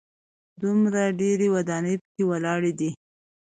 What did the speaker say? دومره ډېرې ودانۍ په کې ولاړې دي.